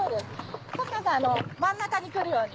春日さん真ん中に来るように。